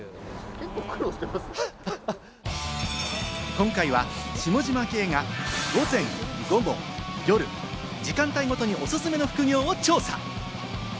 今回は下嶋兄が午前、午後、夜、時間帯ごとにおすすめの副業を調査。